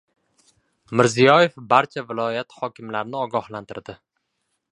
Mirziyoyev barcha viloyat hokimlarini ogohlantirdi